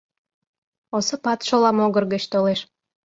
Осыпат шола могыр гыч толеш.